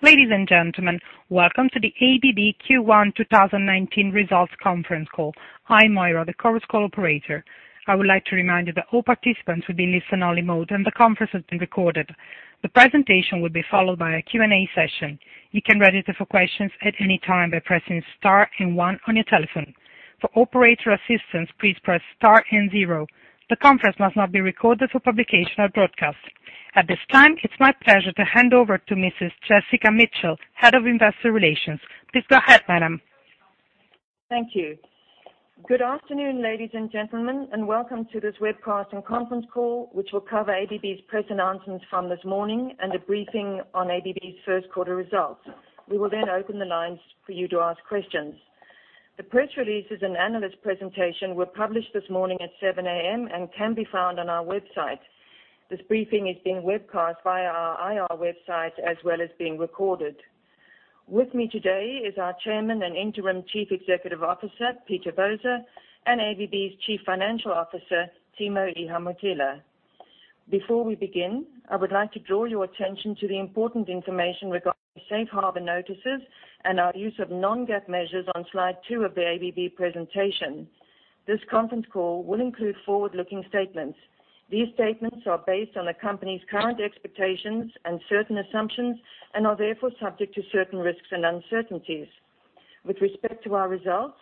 Ladies and gentlemen, welcome to the ABB Q1 2019 results conference call. I am Moira, the conference call operator. I would like to remind you that all participants will be in listen-only mode and the conference is being recorded. The presentation will be followed by a Q&A session. You can register for questions at any time by pressing star and one on your telephone. For operator assistance, please press star and zero. The conference must not be recorded for publication or broadcast. At this time, it is my pleasure to hand over to Mrs. Jessica Mitchell, Head of Investor Relations. Please go ahead, madam. Thank you. Good afternoon, ladies and gentlemen, and welcome to this webcast and conference call, which will cover ABB's press announcements from this morning and a briefing on ABB's first quarter results. We will then open the lines for you to ask questions. The press releases and analyst presentation were published this morning at 7:00 A.M. and can be found on our website. This briefing is being webcast via our IR website, as well as being recorded. With me today is our Chairman and Interim Chief Executive Officer, Peter Voser, and ABB's Chief Financial Officer, Timo Ihamuotila. Before we begin, I would like to draw your attention to the important information regarding safe harbor notices and our use of non-GAAP measures on slide two of the ABB presentation. This conference call will include forward-looking statements. These statements are based on the company's current expectations and certain assumptions and are therefore subject to certain risks and uncertainties. With respect to our results,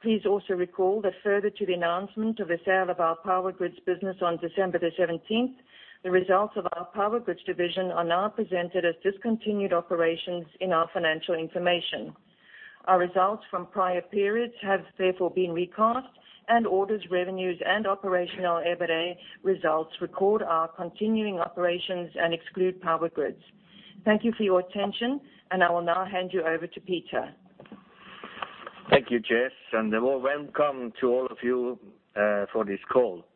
please also recall that further to the announcement of the sale of our Power Grids business on December the 17th, the results of our Power Grids division are now presented as discontinued operations in our financial information. Our results from prior periods have therefore been recast. Orders, revenues, and operational EBITA results record our continuing operations and exclude Power Grids. Thank you for your attention. I will now hand you over to Peter. Thank you, Jess. Well, welcome to all of you for this call.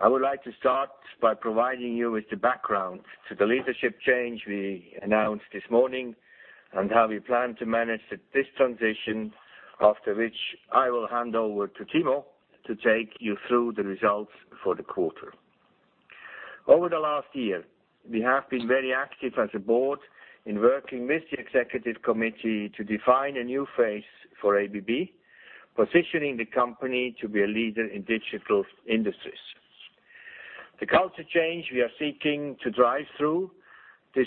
I would like to start by providing you with the background to the leadership change we announced this morning and how we plan to manage this transition, after which I will hand over to Timo to take you through the results for the quarter. Over the last year, we have been very active as a board in working with the executive committee to define a new phase for ABB, positioning the company to be a leader in digital industries. The culture change we are seeking to drive through this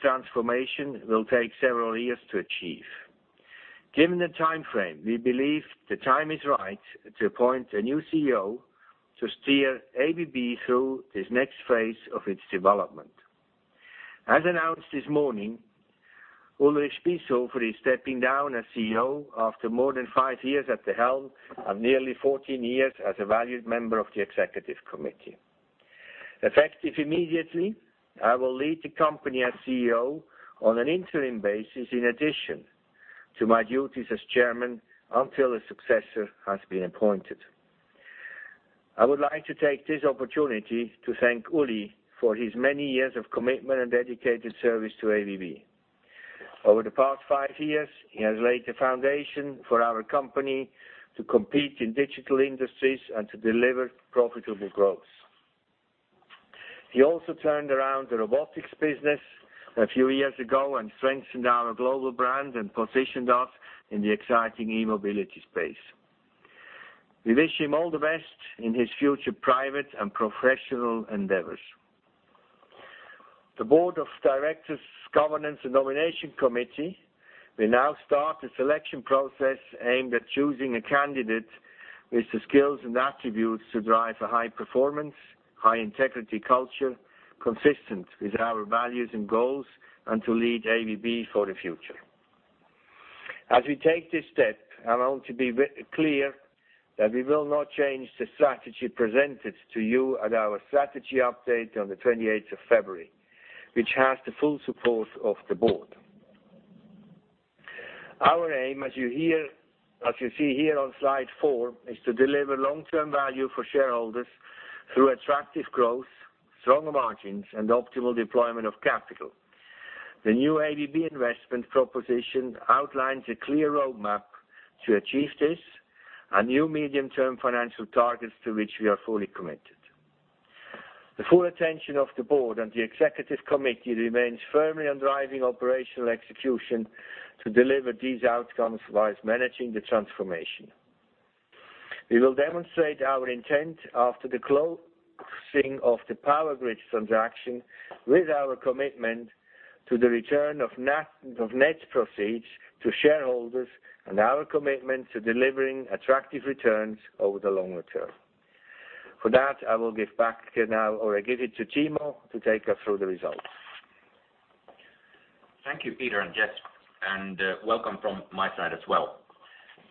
transformation will take several years to achieve. Given the timeframe, we believe the time is right to appoint a new CEO to steer ABB through this next phase of its development. As announced this morning, Ulrich Spiesshofer is stepping down as CEO after more than five years at the helm and nearly 14 years as a valued member of the Executive Committee. Effective immediately, I will lead the company as CEO on an interim basis, in addition to my duties as Chairman, until a successor has been appointed. I would like to take this opportunity to thank Uli for his many years of commitment and dedicated service to ABB. Over the past five years, he has laid the foundation for our company to compete in digital industries and to deliver profitable growth. He also turned around the Robotics business a few years ago and strengthened our global brand and positioned us in the exciting e-mobility space. We wish him all the best in his future private and professional endeavors. The Board of Directors Governance and Nomination Committee will now start a selection process aimed at choosing a candidate with the skills and attributes to drive a high-performance, high-integrity culture consistent with our values and goals, and to lead ABB for the future. As we take this step, I want to be clear that we will not change the strategy presented to you at our strategy update on the 28th of February, which has the full support of the Board. Our aim, as you see here on slide four, is to deliver long-term value for shareholders through attractive growth, stronger margins, and optimal deployment of capital. The new ABB investment proposition outlines a clear roadmap to achieve this and new medium-term financial targets to which we are fully committed. The full attention of the Board and the Executive Committee remains firmly on driving operational execution to deliver these outcomes whilst managing the transformation. We will demonstrate our intent after the closing of the Power Grids transaction with our commitment to the return of net proceeds to shareholders and our commitment to delivering attractive returns over the longer term. For that, I will give back now or I give it to Timo to take us through the results. Thank you, Peter and Jess, and welcome from my side as well.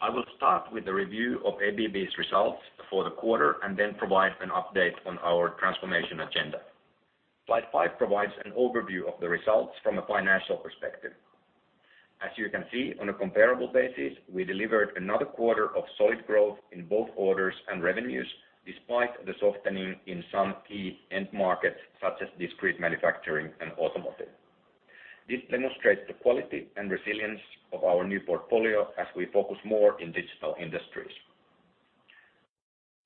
I will start with a review of ABB's results for the quarter and then provide an update on our transformation agenda. slide five provides an overview of the results from a financial perspective. As you can see, on a comparable basis, we delivered another quarter of solid growth in both orders and revenues, despite the softening in some key end markets such as discrete manufacturing and automotive. This demonstrates the quality and resilience of our new portfolio as we focus more in digital industries.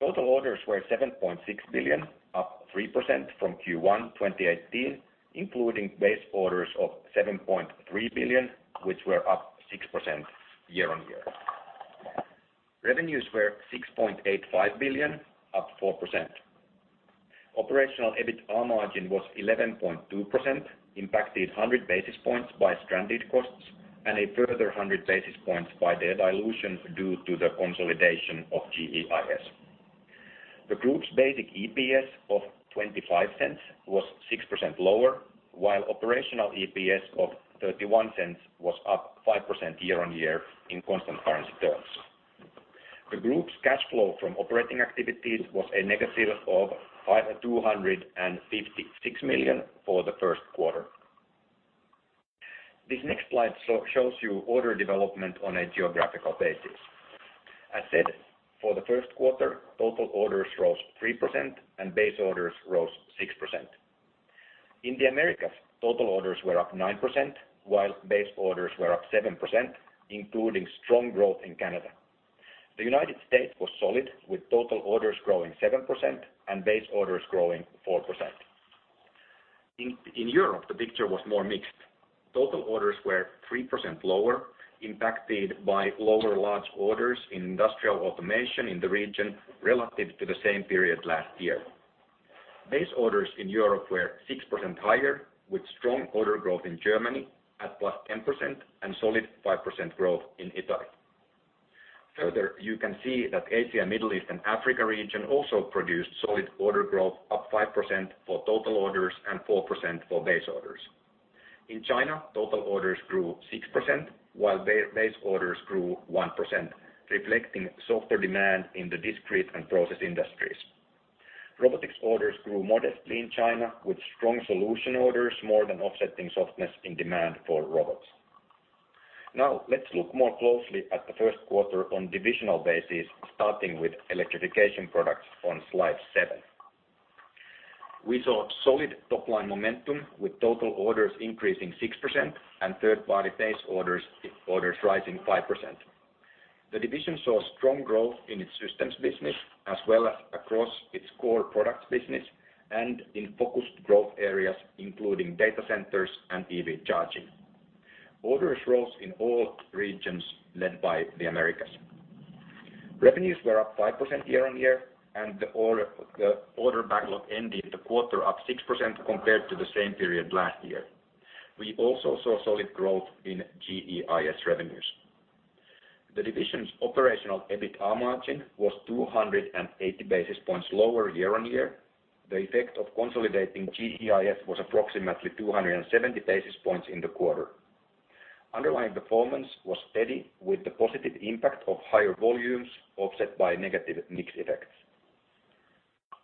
Total orders were $7.6 billion, up 3% from Q1 2018, including base orders of $7.3 billion, which were up 6% year-on-year. Revenues were $6.85 billion, up 4%. Operational EBITA margin was 11.2%, impacted 100 basis points by stranded costs and a further 100 basis points by the dilution due to the consolidation of GEIS. The group's basic EPS of $0.25 was 6% lower, while operational EPS of $0.31 was up 5% year-on-year in constant currency terms. The group's cash flow from operating activities was a negative of $256 million for the first quarter. This next slide shows you order development on a geographical basis. As said, for the first quarter, total orders rose 3% and base orders rose 6%. In the Americas, total orders were up 9%, while base orders were up 7%, including strong growth in Canada. The U.S. was solid, with total orders growing 7% and base orders growing 4%. In Europe, the picture was more mixed. Total orders were 3% lower, impacted by lower large orders in Industrial Automation in the region relative to the same period last year. Base orders in Europe were 6% higher, with strong order growth in Germany at +10% and solid 5% growth in Italy. Further, you can see that AMEA region also produced solid order growth, up 5% for total orders and 4% for base orders. In China, total orders grew 6%, while base orders grew 1%, reflecting softer demand in the discrete and process industries. Robotics orders grew modestly in China, with strong solution orders more than offsetting softness in demand for robots. Now, let's look more closely at the first quarter on a divisional basis, starting with Electrification Products on Slide seven. We saw solid top-line momentum, with total orders increasing 6% and third-party base orders rising 5%. The division saw strong growth in its systems business as well as across its core products business and in focused growth areas, including data centers and EV charging. Orders rose in all regions, led by the Americas. Revenues were up 5% year-on-year, and the order backlog ended the quarter up 6% compared to the same period last year. We also saw solid growth in GEIS revenues. The division's Operational EBITA margin was 280 basis points lower year-on-year. The effect of consolidating GEIS was approximately 270 basis points in the quarter. Underlying performance was steady, with the positive impact of higher volumes offset by negative mix effects.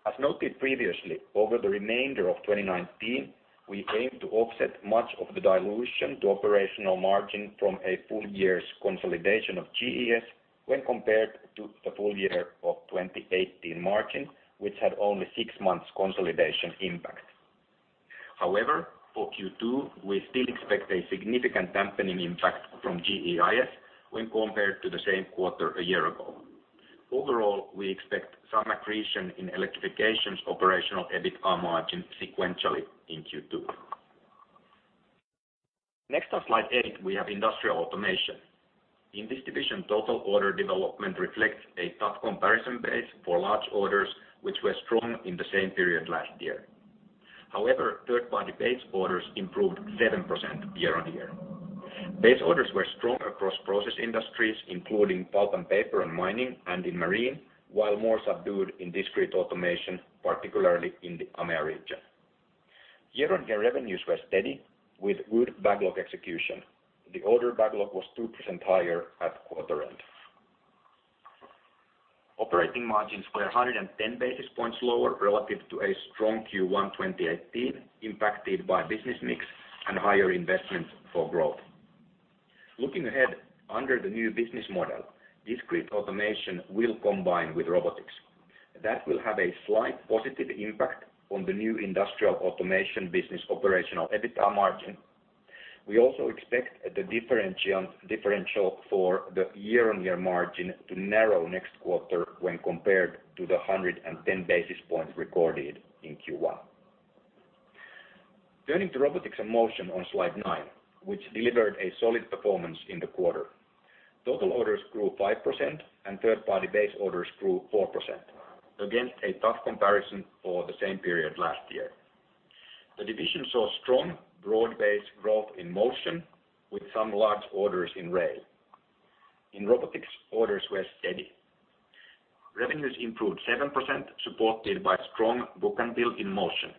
As noted previously, over the remainder of 2019, we aim to offset much of the dilution to operational margin from a full year's consolidation of GEIS when compared to the full year of 2018 margin, which had only six months consolidation impact. However, for Q2, we still expect a significant dampening impact from GEIS when compared to the same quarter a year ago. Overall, we expect some accretion in Electrification's Operational EBITA margin sequentially in Q2. Next on Slide eight, we have Industrial Automation. In this division, total order development reflects a tough comparison base for large orders, which were strong in the same period last year. Third-party base orders improved 7% year-on-year. Base orders were strong across process industries, including pulp and paper and mining, and in marine, while more subdued in discrete automation, particularly in the AMEA region. Year-on-year revenues were steady with good backlog execution. The order backlog was 2% higher at quarter end. Operating margins were 110 basis points lower relative to a strong Q1 2018, impacted by business mix and higher investment for growth. Looking ahead, under the new business model, discrete automation will combine with Robotics. That will have a slight positive impact on the new Industrial Automation business Operational EBITA margin. We also expect the differential for the year-on-year margin to narrow next quarter when compared to the 110 basis points recorded in Q1. Turning to Robotics and Motion on Slide 9, which delivered a solid performance in the quarter. Total orders grew 5% and third-party base orders grew 4%, against a tough comparison for the same period last year. The division saw strong broad-based growth in motion, with some large orders in rail. In robotics, orders were steady. Revenues improved 7%, supported by strong book and bill in motion.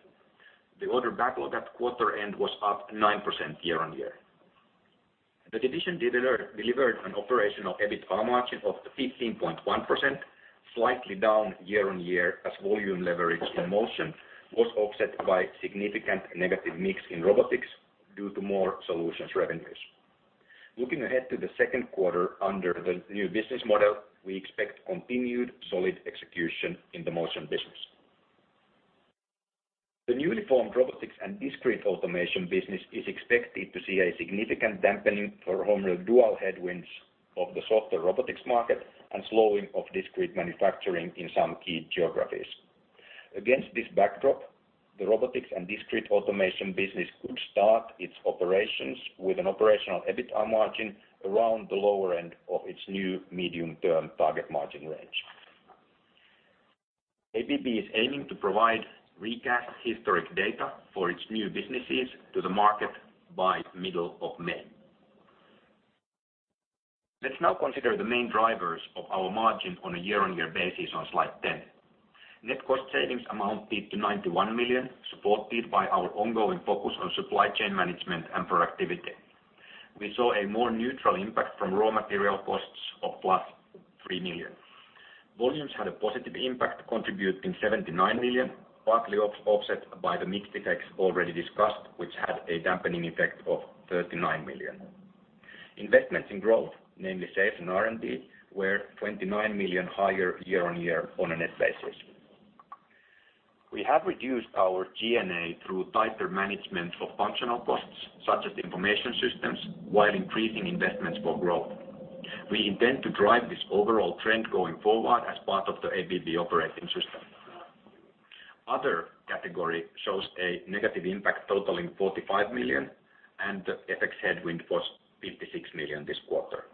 The order backlog at quarter end was up 9% year-on-year. The division delivered an Operational EBITA margin of 15.1%, slightly down year-on-year as volume leverage in motion was offset by significant negative mix in robotics due to more solutions revenues. Looking ahead to the second quarter, under the new business model, we expect continued solid execution in the motion business. The newly formed robotics and discrete automation business is expected to see a significant dampening from dual headwinds of the softer robotics market and slowing of discrete manufacturing in some key geographies. Against this backdrop, the robotics and discrete automation business could start its operations with an Operational EBITA margin around the lower end of its new medium-term target margin range. ABB is aiming to provide recast historic data for its new businesses to the market by middle of May. Let's now consider the main drivers of our margin on a year-on-year basis on Slide 10. Net cost savings amounted to $91 million, supported by our ongoing focus on supply chain management and productivity. We saw a more neutral impact from raw material costs of plus $3 million. Volumes had a positive impact, contributing $79 million, partly offset by the mix effects already discussed, which had a dampening effect of $39 million. Investments in growth, namely sales and R&D, were $29 million higher year-on-year on a net basis. We have reduced our G&A through tighter management of functional costs, such as information systems, while increasing investments for growth. We intend to drive this overall trend going forward as part of the ABB Operating System. Other category shows a negative impact totaling $45 million, and the FX headwind was $56 million this quarter.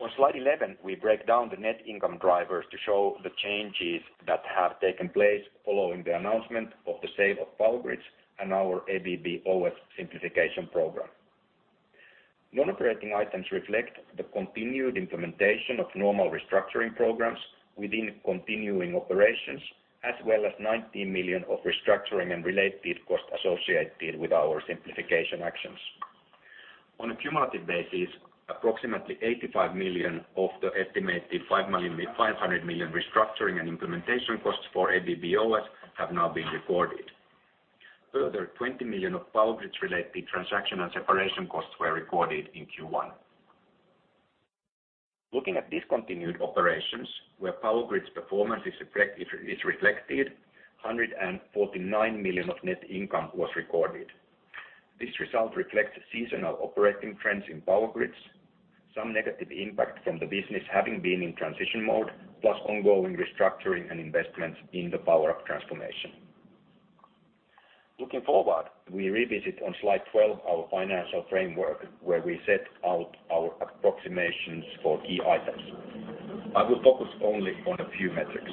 On Slide 11, we break down the net income drivers to show the changes that have taken place following the announcement of the sale of Power Grids and our ABB OS simplification program. Non-operating items reflect the continued implementation of normal restructuring programs within continuing operations, as well as $19 million of restructuring and related costs associated with our simplification actions. On a cumulative basis, approximately $85 million of the estimated $500 million restructuring and implementation costs for ABB OS have now been recorded. Further, $20 million of Power Grids-related transaction and separation costs were recorded in Q1. Looking at discontinued operations where Power Grids performance is reflected, $149 million of net income was recorded. This result reflects seasonal operating trends in Power Grids, some negative impact from the business having been in transition mode, plus ongoing restructuring and investments in the power of transformation. Looking forward, we revisit on Slide 12 our financial framework where we set out our approximations for key items. I will focus only on a few metrics.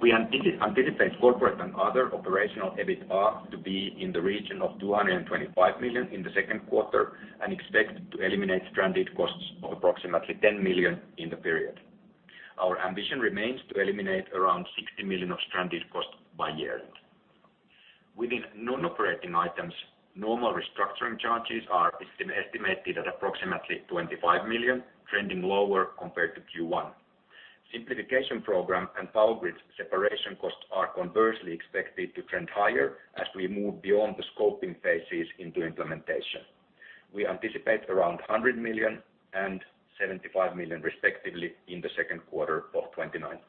We anticipate corporate and other Operational EBITA to be in the region of $225 million in the second quarter and expect to eliminate stranded costs of approximately $10 million in the period. Our ambition remains to eliminate around $60 million of stranded costs by year end. Within non-operating items, normal restructuring charges are estimated at approximately $25 million, trending lower compared to Q1. Simplification program and Power Grids separation costs are conversely expected to trend higher as we move beyond the scoping phases into implementation. We anticipate around $100 million and $75 million respectively in the second quarter of 2019.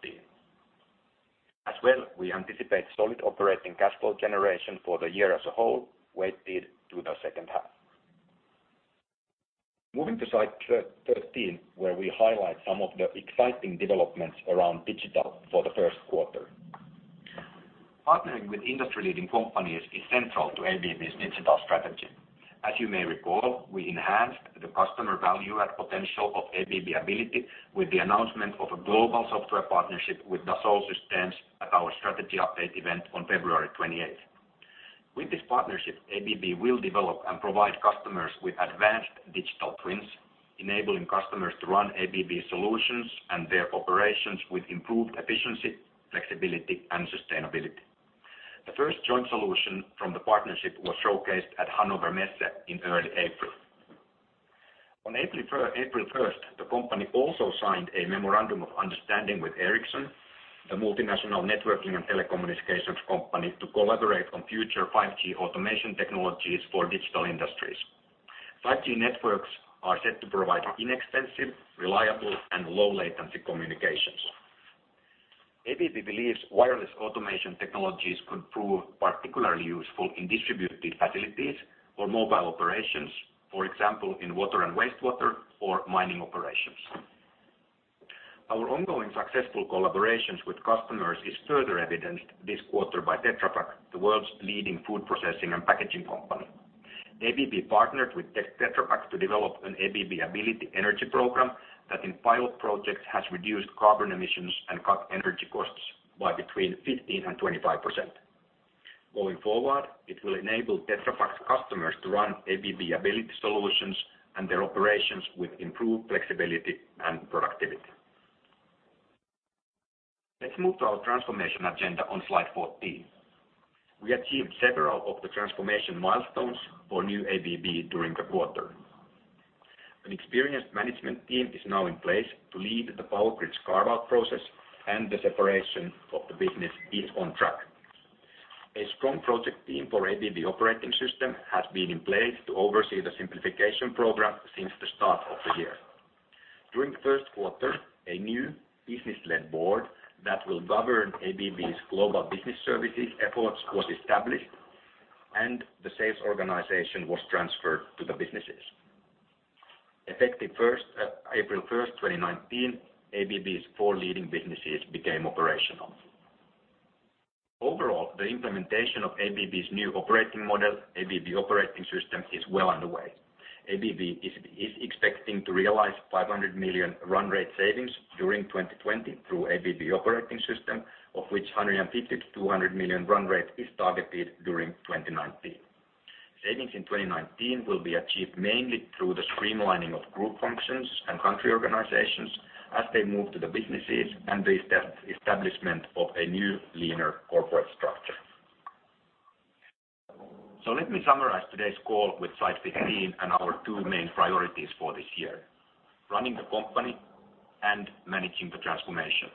We anticipate solid operating cash flow generation for the year as a whole, weighted to the second half. Moving to slide 13, where we highlight some of the exciting developments around digital for the first quarter. Partnering with industry-leading companies is central to ABB's digital strategy. As you may recall, we enhanced the customer value add potential of ABB Ability with the announcement of a global software partnership with Dassault Systèmes at our strategy update event on February 28th. With this partnership, ABB will develop and provide customers with advanced digital twins, enabling customers to run ABB solutions and their operations with improved efficiency, flexibility, and sustainability. The first joint solution from the partnership was showcased at Hannover Messe in early April. On April 1st, the company also signed a memorandum of understanding with Ericsson, the multinational networking and telecommunications company, to collaborate on future 5G automation technologies for digital industries. 5G networks are set to provide inexpensive, reliable, and low-latency communications. ABB believes wireless automation technologies could prove particularly useful in distributed facilities or mobile operations, for example, in water and wastewater or mining operations. Our ongoing successful collaborations with customers is further evidenced this quarter by Tetra Pak, the world's leading food processing and packaging company. ABB partnered with Tetra Pak to develop an ABB Ability energy program that in pilot projects has reduced carbon emissions and cut energy costs by between 15%-25%. Going forward, it will enable Tetra Pak's customers to run ABB Ability solutions and their operations with improved flexibility and productivity. Let's move to our transformation agenda on slide 14. We achieved several of the transformation milestones for new ABB during the quarter. An experienced management team is now in place to lead the Power Grids carve-out process, and the separation of the business is on track. Project team for ABB Operating System has been in place to oversee the simplification program since the start of the year. During the first quarter, a new business-led board that will govern ABB's global business services efforts was established, and the sales organization was transferred to the businesses. Effective April 1st, 2019, ABB's four leading businesses became operational. Overall, the implementation of ABB's new operating model, ABB Operating System, is well underway. ABB is expecting to realize $500 million run rate savings during 2020 through ABB Operating System, of which $150 million-$200 million run rate is targeted during 2019. Savings in 2019 will be achieved mainly through the streamlining of group functions and country organizations as they move to the businesses, and the establishment of a new linear corporate structure. Let me summarize today's call with slide 15 and our two main priorities for this year, running the company and managing the transformation.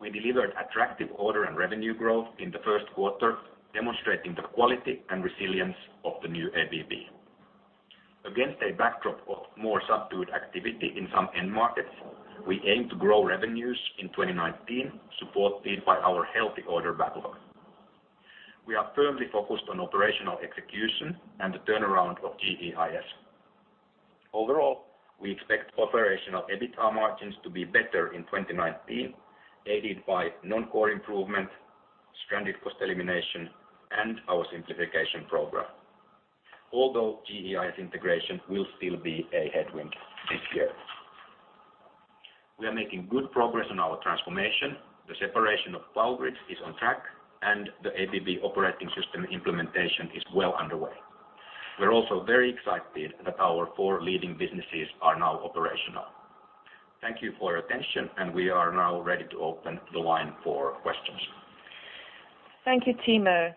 We delivered attractive order and revenue growth in the first quarter, demonstrating the quality and resilience of the new ABB. Against a backdrop of more subdued activity in some end markets, we aim to grow revenues in 2019, supported by our healthy order backlog. We are firmly focused on operational execution and the turnaround of GEIS. Overall, we expect Operational EBITA margins to be better in 2019, aided by non-core improvement, stranded cost elimination, and our simplification program. Although GEIS integration will still be a headwind this year. We are making good progress on our transformation. The separation of Power Grids is on track, and the ABB Operating System implementation is well underway. We are also very excited that our four leading businesses are now operational. Thank you for your attention, we are now ready to open the line for questions. Thank you, Timo.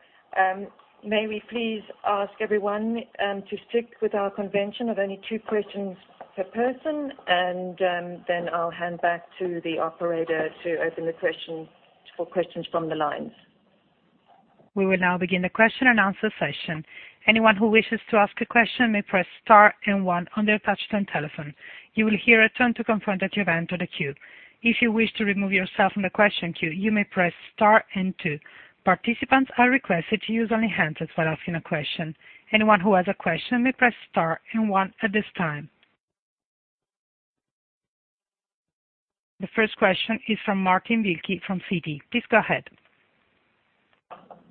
May we please ask everyone to stick with our convention of only two questions per person, then I will hand back to the operator to open the questions from the lines. We will now begin the question and answer session. Anyone who wishes to ask a question may press star one on their touch-tone telephone. You will hear a tone to confirm that you have entered the queue. If you wish to remove yourself from the question queue, you may press star two. Participants are requested to use only handsets while asking a question. Anyone who has a question may press star one at this time. The first question is from Martin Wilkie from Citi. Please go ahead.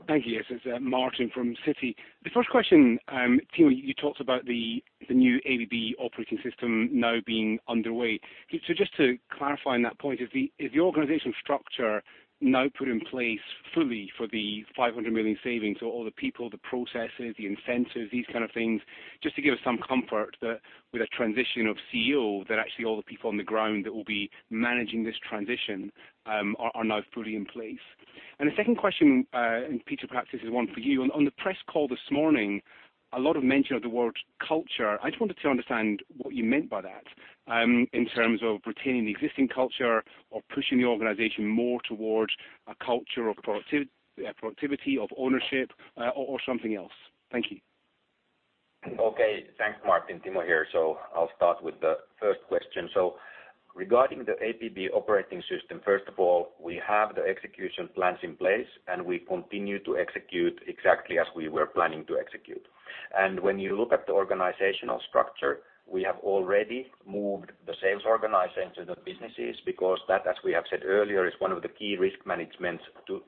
Thank you. This is Martin from Citi. The first question, Timo, you talked about the new ABB Operating System now being underway. Just to clarify on that point, is the organizational structure now put in place fully for the $500 million savings, all the people, the processes, the incentives, these kind of things, just to give us some comfort that with a transition of CEO, that actually all the people on the ground that will be managing this transition are now fully in place. The second question, and Peter, perhaps this is one for you. On the press call this morning, a lot of mention of the word culture. I just wanted to understand what you meant by that in terms of retaining the existing culture or pushing the organization more towards a culture of productivity, of ownership, or something else. Thank you. Okay. Thanks, Martin. Timo here. I'll start with the first question. Regarding the ABB Operating System, first of all, we have the execution plans in place, and we continue to execute exactly as we were planning to execute. When you look at the organizational structure, we have already moved the sales organization to the businesses because that, as we have said earlier, is one of the key risk management to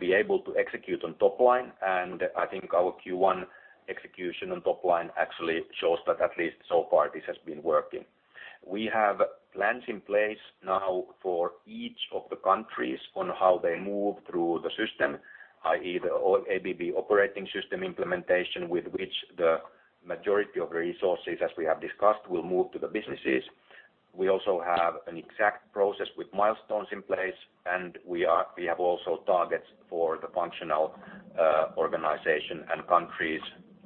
be able to execute on top line. I think our Q1 execution on top line actually shows that at least so far, this has been working. We have plans in place now for each of the countries on how they move through the system, i.e., the ABB Operating System implementation, with which the majority of resources, as we have discussed, will move to the businesses. We also have an exact process with milestones in place, and we have also targets for the functional organization and countries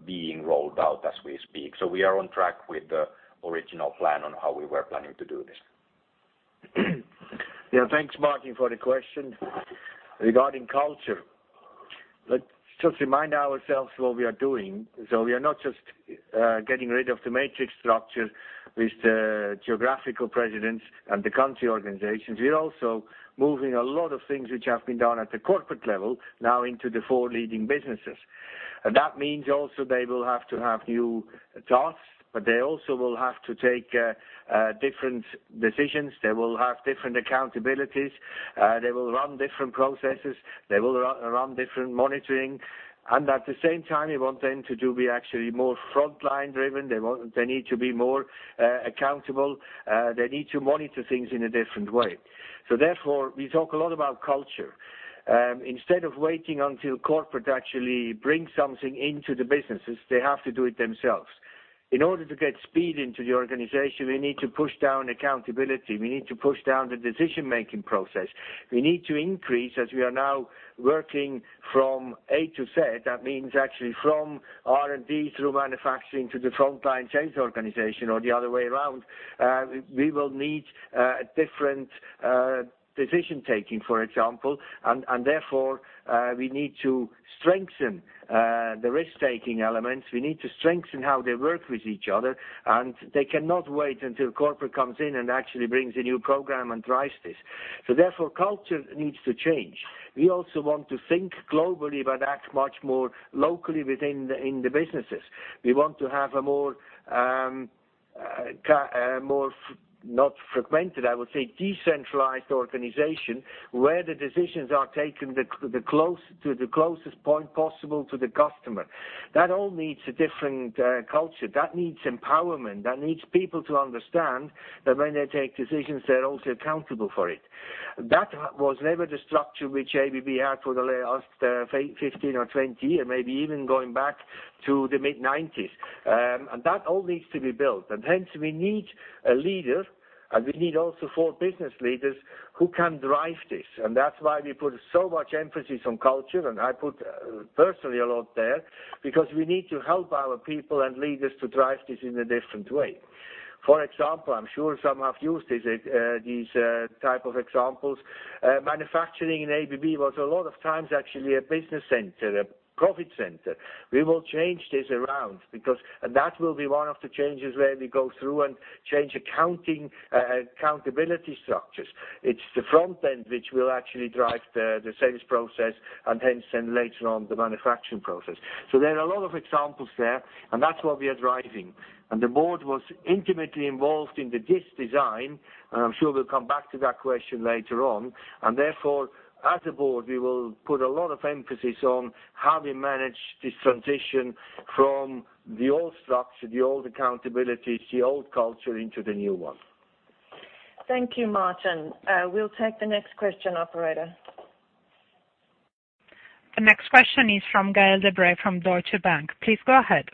being rolled out as we speak. We are on track with the original plan on how we were planning to do this. Yeah. Thanks, Martin, for the question. Regarding culture, let's just remind ourselves what we are doing. We are not just getting rid of the matrix structure with the geographical presidents and the country organizations. We are also moving a lot of things which have been done at the corporate level now into the four leading businesses. That means also they will have to have new tasks, but they also will have to take different decisions. They will have different accountabilities. They will run different processes. They will run different monitoring. At the same time, we want them to do be actually more frontline-driven. They need to be more accountable. They need to monitor things in a different way. Therefore, we talk a lot about culture. Instead of waiting until corporate actually brings something into the businesses, they have to do it themselves. In order to get speed into the organization, we need to push down accountability. We need to push down the decision-making process. We need to increase as we are now working from A to Z. That means actually from R&D through manufacturing to the frontline sales organization or the other way around. We will need Decision-making, for example. Therefore, we need to strengthen the risk-taking elements. We need to strengthen how they work with each other, and they cannot wait until corporate comes in and actually brings a new program and drives this. Therefore, culture needs to change. We also want to think globally, but act much more locally within the businesses. We want to have a more, not fragmented, I would say, decentralized organization where the decisions are taken to the closest point possible to the customer. That all needs a different culture. That needs empowerment, that needs people to understand that when they take decisions, they're also accountable for it. That was never the structure which ABB had for the last 15 or 20 years, maybe even going back to the mid-'90s. That all needs to be built. Hence we need a leader and we need also four business leaders who can drive this. That's why we put so much emphasis on culture, and I put personally a lot there, because we need to help our people and leaders to drive this in a different way. For example, I'm sure some have used these type of examples. Manufacturing in ABB was a lot of times actually a business center, a profit center. We will change this around because, and that will be one of the changes where we go through and change accountability structures. It's the front end which will actually drive the sales process, and hence then later on the manufacturing process. There are a lot of examples there, and that's what we are driving. The board was intimately involved in this design, and I'm sure we'll come back to that question later on. Therefore, as a board, we will put a lot of emphasis on how we manage this transition from the old structure, the old accountabilities, the old culture into the new one. Thank you, Martin. We'll take the next question, operator. The next question is from Gael de-Bray from Deutsche Bank. Please go ahead.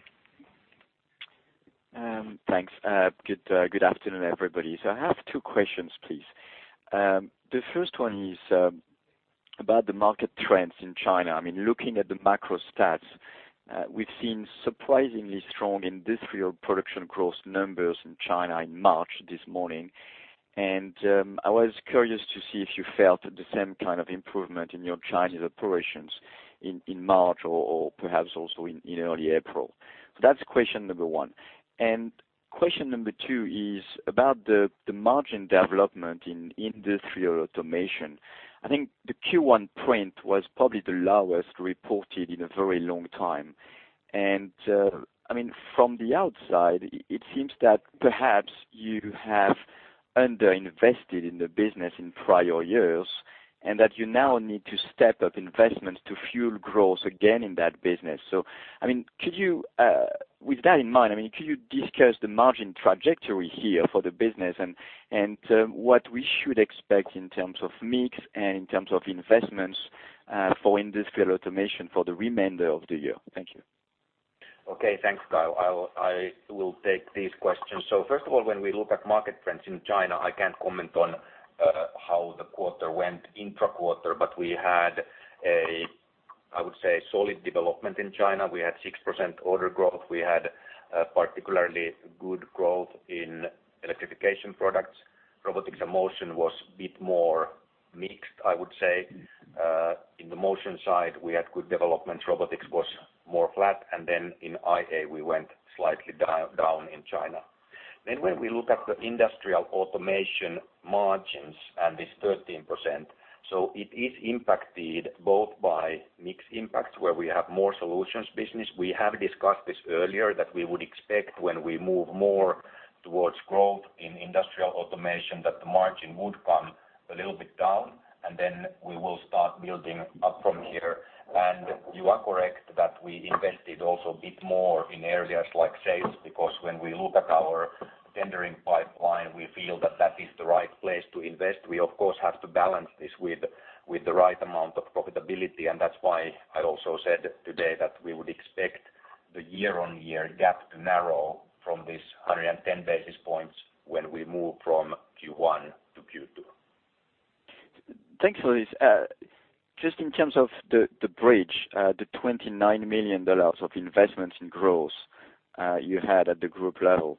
Thanks. Good afternoon, everybody. I have two questions, please. The first one is about the market trends in China. I mean looking at the macro stats, we've seen surprisingly strong industrial production growth numbers in China in March, this morning. I was curious to see if you felt the same kind of improvement in your Chinese operations in March or perhaps also in early April. That's question number one. Question number two is about the margin development in Industrial Automation. I think the Q1 print was probably the lowest reported in a very long time. From the outside, it seems that perhaps you have underinvested in the business in prior years, and that you now need to step up investments to fuel growth again in that business. With that in mind, can you discuss the margin trajectory here for the business and what we should expect in terms of mix and in terms of investments for Industrial Automation for the remainder of the year? Thank you. Okay. Thanks, Gael. I will take these questions. First of all, when we look at market trends in China, I can't comment on how the quarter went intra-quarter, but we had a, I would say, solid development in China. We had 6% order growth. We had particularly good growth in Electrification Products. Robotics and Motion was a bit more mixed, I would say. In the motion side, we had good development. Robotics was more flat. Then in IA, we went slightly down in China. When we look at the Industrial Automation margins and this 13%, it is impacted both by mix impacts where we have more solutions business. We have discussed this earlier, that we would expect when we move more towards growth in Industrial Automation, that the margin would come a little bit down, and then we will start building up from here. You are correct that we invested also a bit more in areas like sales, because when we look at our tendering pipeline, we feel that that is the right place to invest. We, of course, have to balance this with the right amount of profitability, and that's why I also said today that we would expect the year-on-year gap to narrow from this 110 basis points when we move from Q1 to Q2. Thanks for this. Just in terms of the bridge, the $29 million of investments in growth you had at the group level,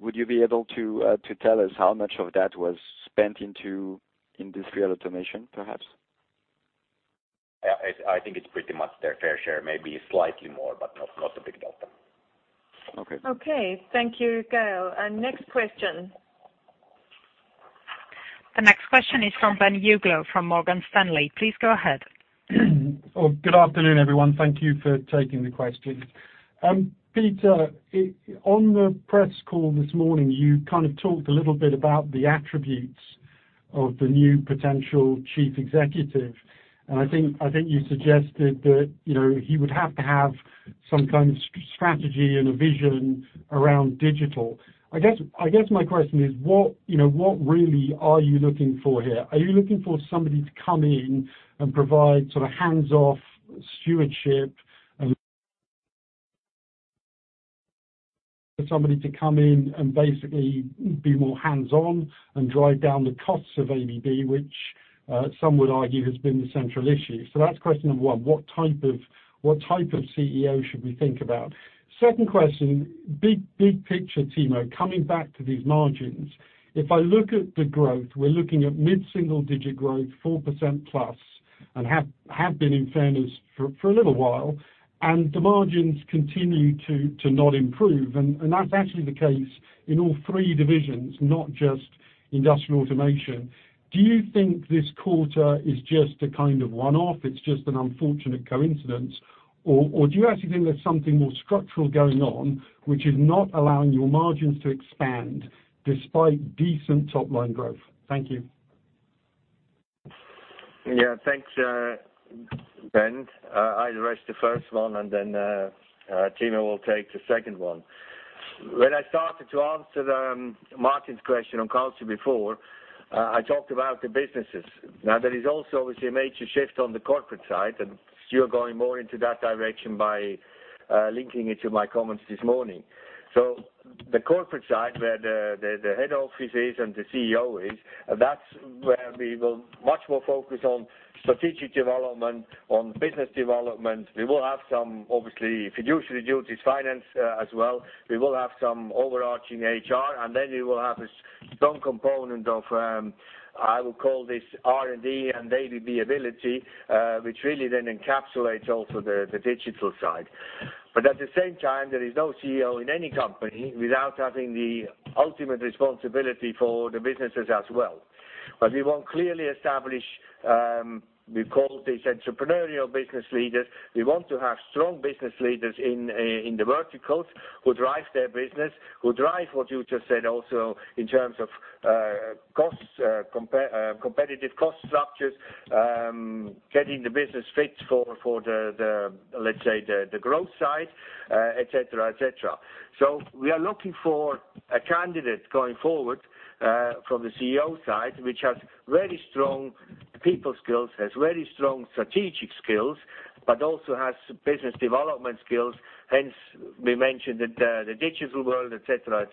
would you be able to tell us how much of that was spent into Industrial Automation, perhaps? I think it's pretty much their fair share, maybe slightly more, not a big delta. Okay. Okay. Thank you, Gael. Next question. The next question is from Ben Uglow from Morgan Stanley. Please go ahead. Good afternoon, everyone. Thank you for taking the questions. Peter, on the press call this morning, you kind of talked a little bit about the attributes of the new potential chief executive, and I think you suggested that he would have to have some kind of strategy and a vision around digital. I guess my question is, what really are you looking for here? Are you looking for somebody to come in and provide sort of hands-off stewardship and for somebody to come in and basically be more hands-on and drive down the costs of ABB, which some would argue has been the central issue? That's question number one. What type of CEO should we think about? Second question, big picture, Timo, coming back to these margins. If I look at the growth, we're looking at mid-single-digit growth, 4%-plus. Have been, in fairness, for a little while. The margins continue to not improve. That's actually the case in all three divisions, not just Industrial Automation. Do you think this quarter is just a kind of one-off, it's just an unfortunate coincidence? Or do you actually think there's something more structural going on which is not allowing your margins to expand despite decent top-line growth? Thank you. Yeah, thanks, Ben. I'll address the first one. Timo will take the second one. When I started to answer Martin's question on culture before, I talked about the businesses. There is also obviously a major shift on the corporate side, you're going much more into that direction by linking it to my comments this morning. The corporate side, where the head office is and the CEO is, that's where we will much more focus on strategic development, on business development. We will have some, obviously, fiduciary duties, finance as well. We will have some overarching HR. We will have a strong component of, I would call this R&D and ABB Ability, which really then encapsulates also the digital side. At the same time, there is no CEO in any company without having the ultimate responsibility for the businesses as well. We want to clearly establish, we call this entrepreneurial business leaders. We want to have strong business leaders in the verticals who drive their business. Who drive what you just said also in terms of competitive cost structures, getting the business fit for the growth side, et cetera. We are looking for a candidate going forward, from the CEO side, which has very strong people skills, has very strong strategic skills, but also has business development skills, hence, we mentioned the digital world, et cetera.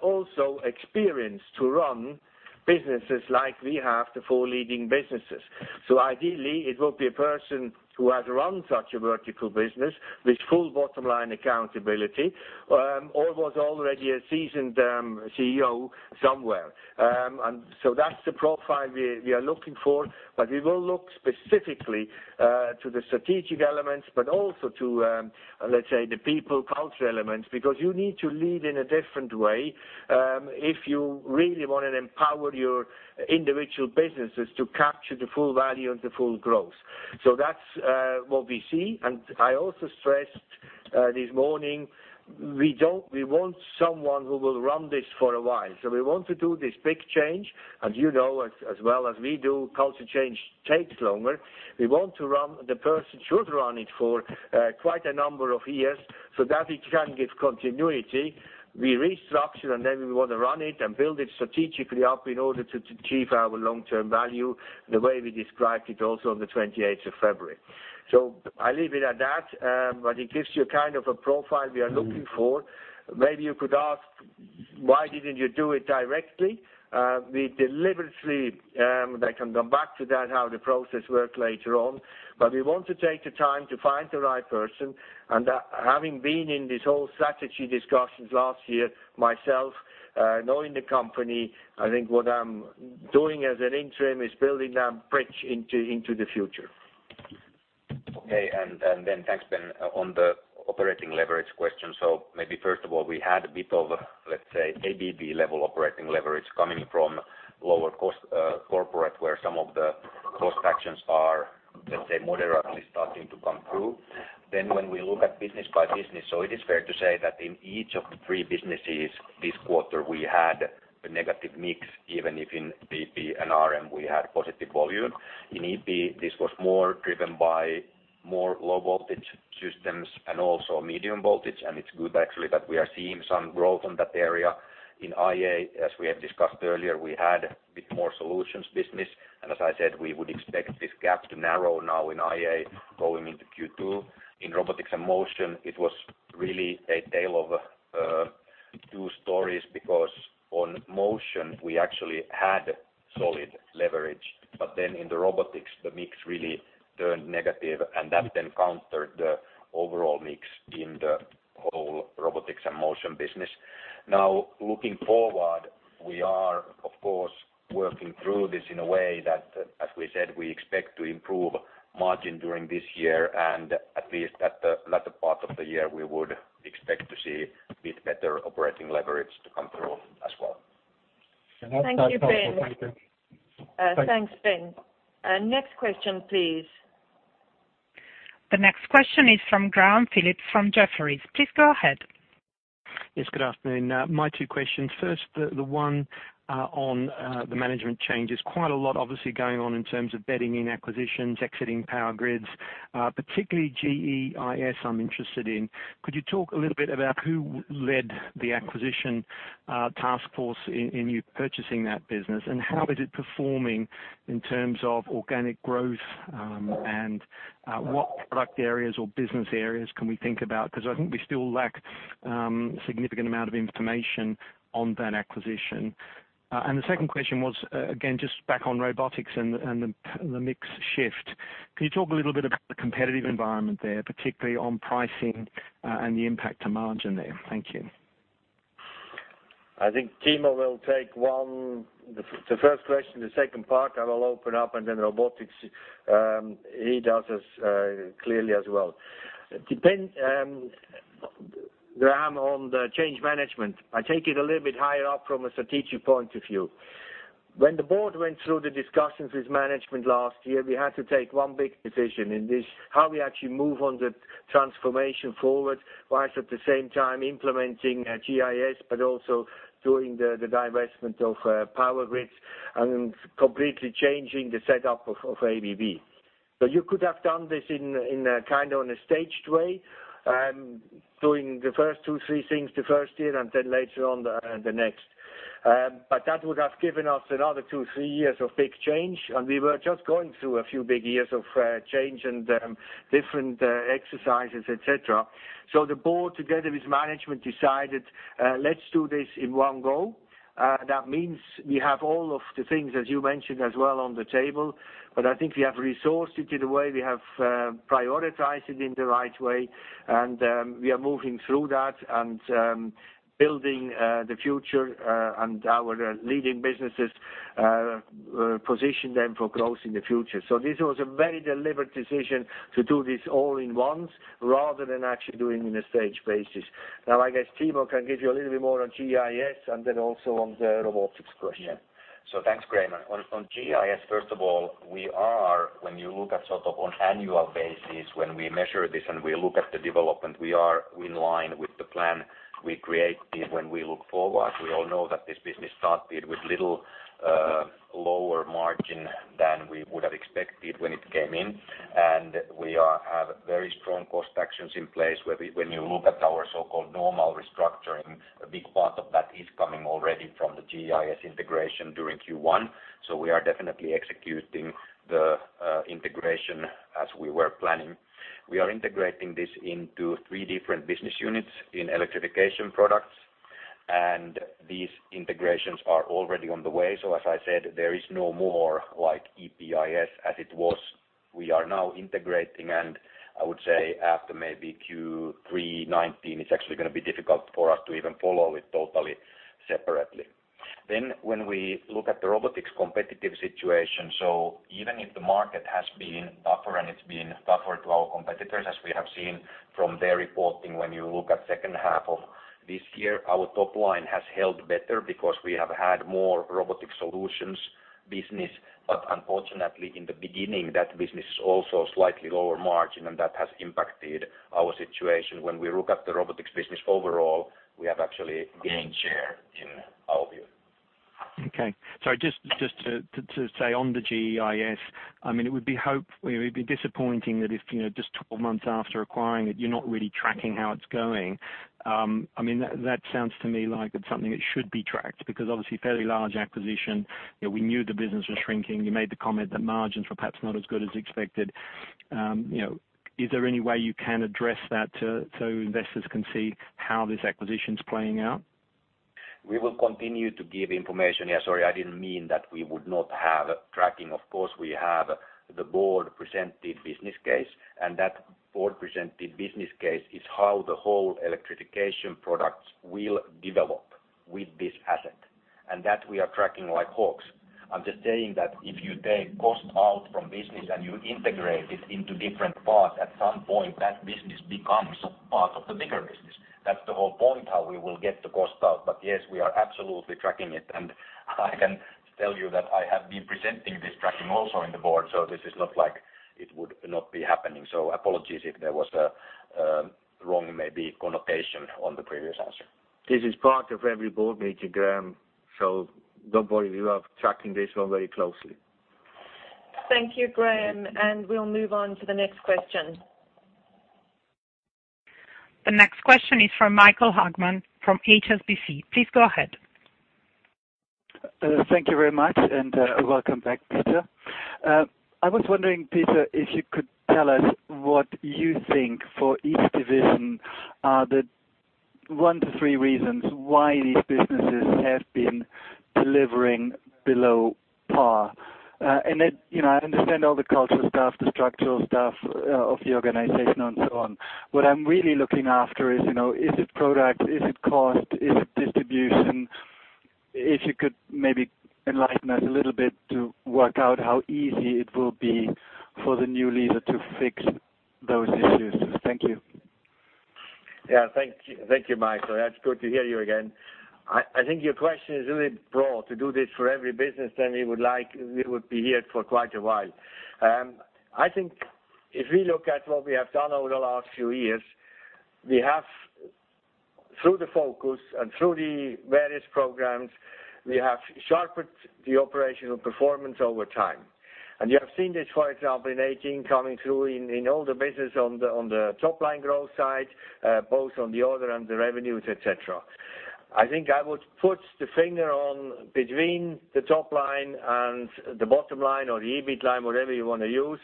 Also experienced to run businesses like we have, the four leading businesses. Ideally, it will be a person who has run such a vertical business with full bottom-line accountability, or was already a seasoned CEO somewhere. That's the profile we are looking for, we will look specifically to the strategic elements, but also to the people culture elements, because you need to lead in a different way, if you really want to empower your individual businesses to capture the full value and the full growth. That's what we see. I also stressed this morning, we want someone who will run this for a while. We want to do this big change, and you know as well as we do, culture change takes longer. The person should run it for quite a number of years so that it can give continuity. We restructure and then we want to run it and build it strategically up in order to achieve our long-term value, the way we described it also on the 28th of February. I leave it at that, but it gives you a kind of a profile we are looking for. Maybe you could ask, why didn't you do it directly? I can come back to that, how the process worked later on. We want to take the time to find the right person, and having been in this whole strategy discussions last year myself, knowing the company, I think what I'm doing as an interim is building a bridge into the future. Okay. Thanks, Ben, on the operating leverage question. Maybe first of all, we had a bit of, let's say, ABB level operating leverage coming from lower cost corporate, where some of the cost actions are, let's say, moderately starting to come through. When we look at business by business, it is fair to say that in each of the three businesses this quarter, we had a negative mix, even if in EP and RM, we had positive volume. In EP, this was more driven by more low-voltage systems and also medium voltage, and it's good actually that we are seeing some growth on that area. In IA, as we have discussed earlier, we had a bit more solutions business. As I said, we would expect this gap to narrow now in IA going into Q2. In Robotics and Motion, it was really a tale of two stories because, on Motion, we actually had solid leverage. In the Robotics, the mix really turned negative, and that then countered the overall mix in the whole Robotics and Motion business. Looking forward, we are, of course, working through this in a way that, as we said, we expect to improve margin during this year, and at least at the latter part of the year, we would expect to see a bit better operating leverage to come through as well. That's helpful. Thank you. Thank you, Ben. Thanks. Thanks, Ben. Next question, please. The next question is from Graham Phillips from Jefferies. Please go ahead. Yes, good afternoon. My two questions. First, the one on the management changes. Quite a lot obviously going on in terms of bedding in acquisitions, exiting Power Grids. Particularly GEIS, I'm interested in. Could you talk a little bit about who led the acquisition task force in you purchasing that business, and how is it performing in terms of organic growth? What product areas or business areas can we think about? Because I think we still lack significant amount of information on that acquisition. The second question was, again, just back on Robotics and the mix shift. Can you talk a little bit about the competitive environment there, particularly on pricing and the impact to margin there? Thank you. I think Timo will take one, the first question. The second part, I will open up, and then Robotics, he does as clearly as well. Graham, on the change management, I take it a little bit higher up from a strategic point of view. When the board went through the discussions with management last year, we had to take one big decision, and it's how we actually move on the transformation forward, whilst at the same time implementing GEIS, but also doing the divestment of Power Grids and completely changing the setup of ABB. You could have done this in a kind of on a staged way, doing the first two, three things the first year and then later on, the next. That would have given us another two, three years of big change, and we were just going through a few big years of change and different exercises, et cetera. The board, together with management, decided, let's do this in one go. That means we have all of the things, as you mentioned as well, on the table. I think we have resourced it in a way, we have prioritized it in the right way, and we are moving through that and building the future and our leading businesses, position them for growth in the future. This was a very deliberate decision to do this all at once, rather than actually doing in a staged basis. Now, I guess Timo can give you a little bit more on GEIS and then also on the Robotics question. Yeah. Thanks, Graham. On GEIS, first of all, we are, when you look at sort of on annual basis, when we measure this and we look at the development, we are in line with the plan we created when we look forward. We all know that this business started with little lower margin than we would have expected when it came in. We have very strong cost actions in place where when you look at our so-called normal restructuring, a big part of that is coming already from the GEIS integration during Q1. We are definitely executing the integration as we were planning. We are integrating this into three different business units in Electrification Products, and these integrations are already on the way. As I said, there is no more EPIS as it was. We are now integrating. I would say after maybe Q3 2019, it's actually going to be difficult for us to even follow it totally separately. When we look at the robotics competitive situation, even if the market has been tougher and it's been tougher to our competitors, as we have seen from their reporting, when you look at second half of this year, our top line has held better because we have had more robotic solutions business. Unfortunately, in the beginning, that business is also slightly lower margin, and that has impacted our situation. When we look at the robotics business overall, we have actually gained share in our view. Okay. Sorry, just to say on the GEIS, it would be disappointing that if just 12 months after acquiring it, you're not really tracking how it's going. Obviously, fairly large acquisition, we knew the business was shrinking. You made the comment that margins were perhaps not as good as expected. Is there any way you can address that so investors can see how this acquisition's playing out? We will continue to give information. Sorry, I didn't mean that we would not have tracking. Of course, we have the board-presented business case, and that board-presented business case is how the whole Electrification Products will develop with this asset. That we are tracking like hawks. I'm just saying that if you take cost out from business and you integrate it into different parts, at some point, that business becomes a part of the bigger business. That's the whole point how we will get the cost out. Yes, we are absolutely tracking it. I can tell you that I have been presenting this tracking also in the board, this is not like it would not be happening. Apologies if there was a wrong maybe connotation on the previous answer. This is part of every board meeting, Graham. Don't worry. We are tracking this one very closely. Thank you, Graham. We'll move on to the next question. The next question is from Michael Hagmann from HSBC. Please go ahead. Thank you very much. Welcome back, Peter. I was wondering, Peter, if you could tell us what you think for each division, the one to three reasons why these businesses have been delivering below par. I understand all the cultural stuff, the structural stuff of the organization and so on. What I'm really looking after is it product? Is it cost? Is it distribution? If you could maybe enlighten us a little bit to work out how easy it will be for the new leader to fix those issues. Thank you. Thank you, Michael. It's good to hear you again. I think your question is really broad. To do this for every business, we would be here for quite a while. I think if we look at what we have done over the last few years, through the focus and through the various programs, we have sharpened the operational performance over time. You have seen this, for example, in 2018 coming through in all the business on the top-line growth side, both on the order and the revenues, et cetera. I think I would put the finger on between the top line and the bottom line or the EBIT line, whatever you want to use.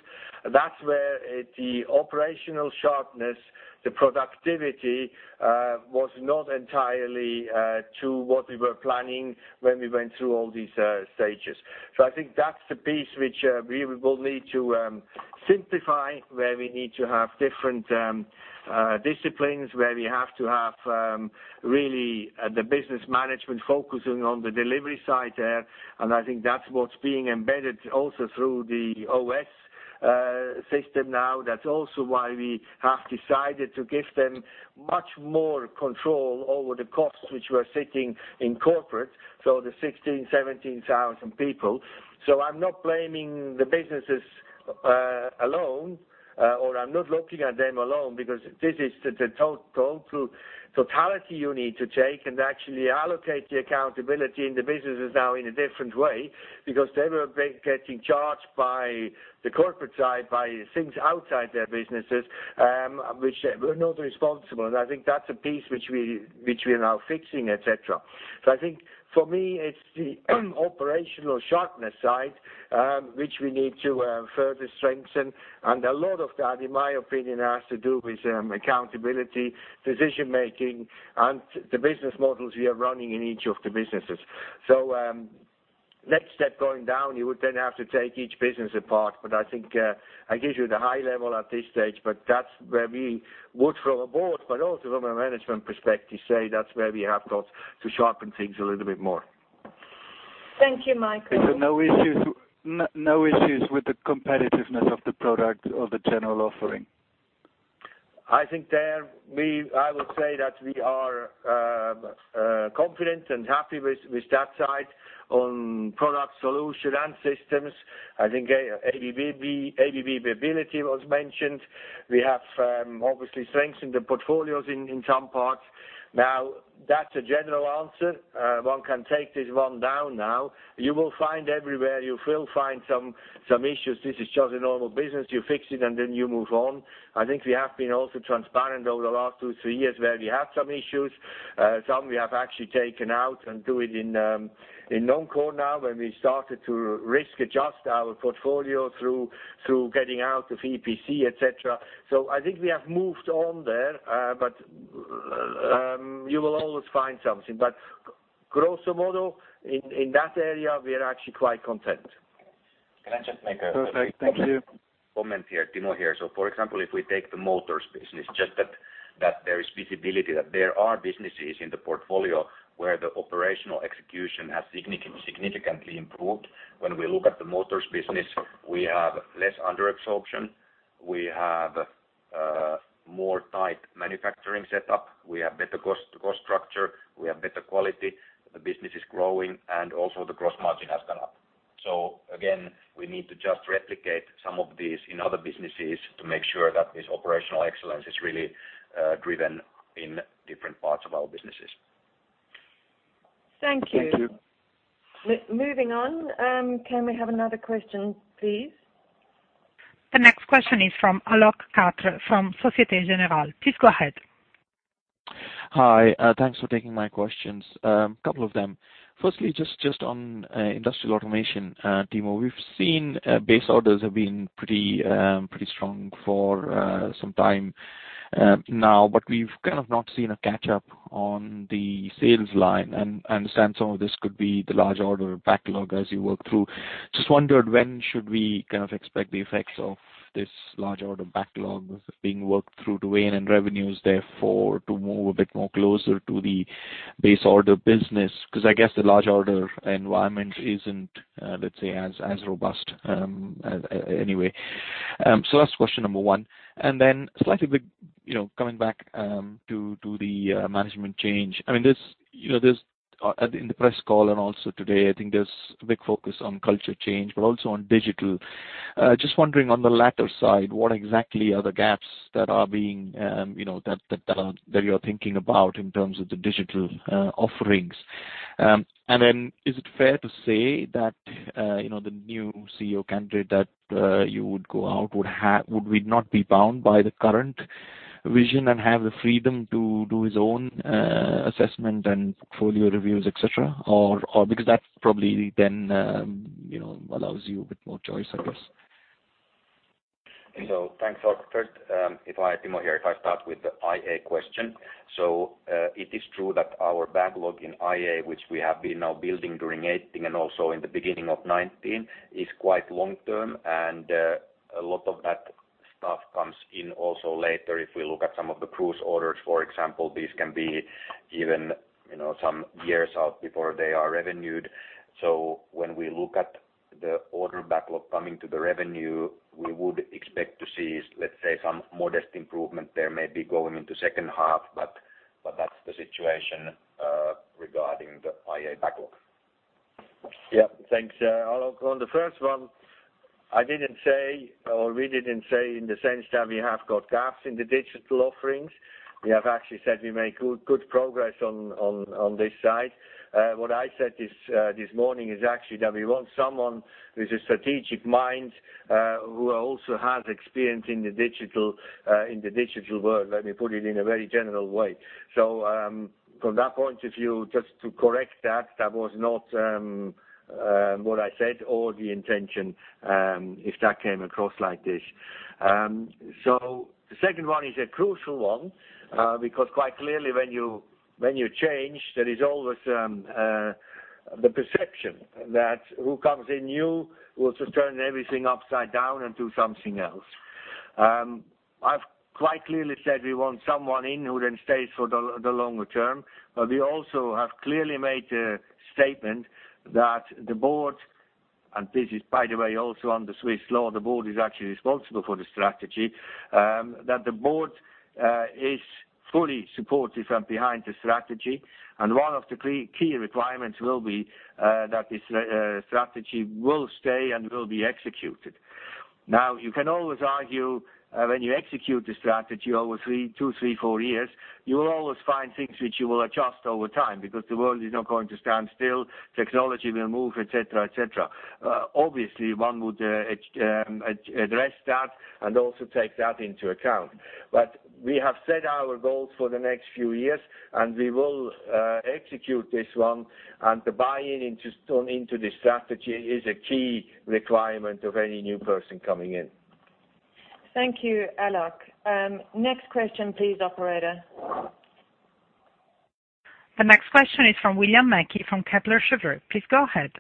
That's where the operational sharpness, the productivity, was not entirely to what we were planning when we went through all these stages. I think that's the piece which we will need to simplify, where we need to have different disciplines, where we have to have really the business management focusing on the delivery side there. I think that's what's being embedded also through the OS system now. That's also why we have decided to give them much more control over the costs, which were sitting in corporate, so the 16,000, 17,000 people. I'm not blaming the businesses alone, or I'm not looking at them alone, because this is the totality you need to take and actually allocate the accountability in the businesses now in a different way, because they were getting charged by the corporate side, by things outside their businesses, which they were not responsible. I think that's a piece which we are now fixing, et cetera. I think for me, it's the operational sharpness side, which we need to further strengthen. A lot of that, in my opinion, has to do with accountability, decision making, and the business models we are running in each of the businesses. Next step going down, you would then have to take each business apart. I think I give you the high level at this stage, but that's where we would, from a board, but also from a management perspective, say that's where we have got to sharpen things a little bit more. Thank you, Michael. No issues with the competitiveness of the product or the general offering? I think there, I would say that we are confident and happy with that side on product solution and systems. ABB Ability was mentioned. We have obviously strengthened the portfolios in some parts. That's a general answer. One can take this one down now. You will find everywhere, you will find some issues. This is just a normal business. You fix it and then you move on. I think we have been also transparent over the last two, three years where we have some issues. Some we have actually taken out and do it in non-core now, where we started to risk adjust our portfolio through getting out of EPC, et cetera. I think we have moved on there. You will always find something. Grosso modo, in that area, we are actually quite content. Can I just make a- Perfect. Thank you comment here? Timo here. For example, if we take the motors business, just that there is visibility, that there are businesses in the portfolio where the operational execution has significantly improved. When we look at the motors business, we have less under absorption. We have a more tight manufacturing setup. We have better cost structure. We have better quality. The business is growing and also the gross margin has gone up. Again, we need to just replicate some of these in other businesses to make sure that this operational excellence is really driven in different parts of our businesses. Thank you. Thank you. Moving on. Can we have another question, please? The next question is from Alok Kapadia from Societe Generale. Please go ahead. Hi. Thanks for taking my questions. A couple of them. Firstly, just on Industrial Automation, Timo. We've seen base orders have been pretty strong for some time now, we've kind of not seen a catch up on the sales line, understand some of this could be the large order backlog as you work through. Just wondered when should we kind of expect the effects of this large order backlog being worked through to weigh in, revenues therefore to move a bit more closer to the base order business? I guess the large order environment isn't, let's say, as robust anyway. That's question number one. Slightly coming back to the management change. In the press call and also today, I think there's a big focus on culture change, also on digital. Just wondering on the latter side, what exactly are the gaps that you're thinking about in terms of the digital offerings? Is it fair to say that, the new CEO candidate that you would go out would not be bound by the current vision and have the freedom to do his own assessment and portfolio reviews, et cetera? That probably then allows you a bit more choice, I guess. Thanks, Alok. Timo here. If I start with the IA question. It is true that our backlog in IA, which we have been now building during 2018 and also in the beginning of 2019, is quite long term, a lot of that stuff comes in also later. If we look at some of the cruise orders, for example, these can be even some years out before they are revenued. When we look at the order backlog coming to the revenue, we would expect to see, let's say, some modest improvement there maybe going into second half, that's the situation regarding the IA backlog. Thanks, Alok. On the first one, I didn't say, we didn't say in the sense that we have got gaps in the digital offerings. We have actually said we make good progress on this side. What I said this morning is actually that we want someone with a strategic mind, who also has experience in the digital world. Let me put it in a very general way. From that point of view, just to correct that was not what I said the intention, if that came across like this. The second one is a crucial one, because quite clearly when you change, there is always the perception that who comes in new will just turn everything upside down and do something else. I've quite clearly said we want someone in who then stays for the longer term, but we also have clearly made a statement that the board, and this is, by the way, also under Swiss law, the board is actually responsible for the strategy, that the board is fully supportive and behind the strategy. One of the key requirements will be that this strategy will stay and will be executed. You can always argue when you execute the strategy over two, three, four years, you will always find things which you will adjust over time because the world is not going to stand still, technology will move, et cetera. Obviously, one would address that and also take that into account. We have set our goals for the next few years, and we will execute this one. The buy-in into this strategy is a key requirement of any new person coming in. Thank you, Alok. Next question please, operator. The next question is from William Mackie from Kepler Cheuvreux. Please go ahead.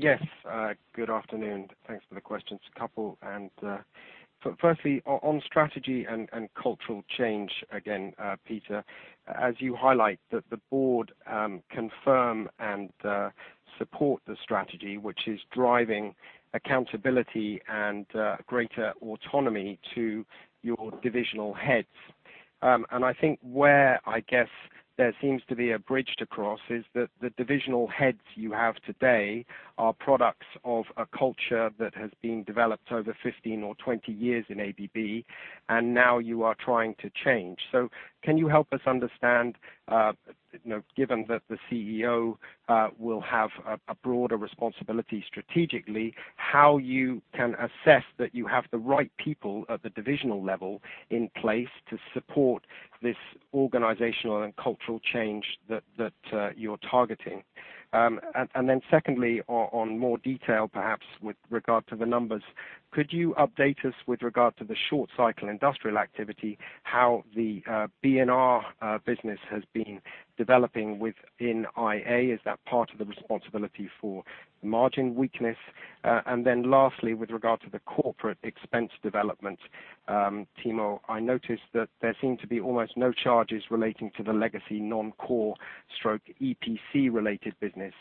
Yes. Good afternoon. Thanks for the questions, a couple. Firstly, on strategy and cultural change again, Peter, as you highlight that the board confirm and support the strategy, which is driving accountability and greater autonomy to your divisional heads. I think where I guess there seems to be a bridge to cross is that the divisional heads you have today are products of a culture that has been developed over 15 or 20 years in ABB, and now you are trying to change. Can you help us understand, given that the CEO will have a broader responsibility strategically, how you can assess that you have the right people at the divisional level in place to support this organizational and cultural change that you're targeting? Secondly, on more detail perhaps with regard to the numbers, could you update us with regard to the short cycle industrial activity, how the B&R business has been developing within IA? Is that part of the responsibility for margin weakness? Lastly, with regard to the corporate expense development, Timo, I noticed that there seemed to be almost no charges relating to the legacy non-core stroke EPC related business.